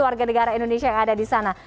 warga negara indonesia yang ada di sana